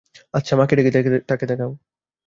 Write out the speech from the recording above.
আচ্ছা, মাকে ডাকি, তাঁকে দেখাও।